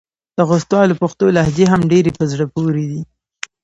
د خوستوالو پښتو لهجې هم ډېرې په زړه پورې دي.